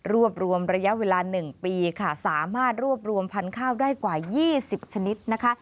รวมระยะเวลา๑ปีค่ะสามารถรวบรวมพันธุ์ข้าวได้กว่า๒๐ชนิดนะคะ